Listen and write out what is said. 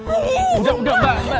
udah udah mak